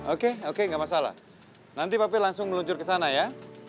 oke oke nggak masalah nanti pape langsung meluncur ke sana ya